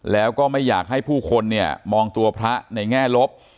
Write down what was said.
แล้วก็ไม่อยากให้ผู้คนเนี่ยมองตัวพระในแง่ลบ